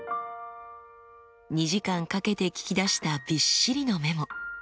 ２時間かけて聞き出したびっしりのメモ。